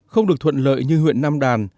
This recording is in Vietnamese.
không được thuận lợi như huyện nam đàn